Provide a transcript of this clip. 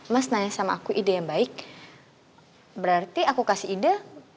mas nanya sama aku ide yang baik berarti aku kasih ide